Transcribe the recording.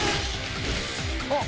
あっ！